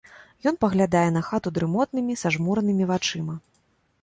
Ён паглядае на хату дрымотнымі сажмуранымі вачыма.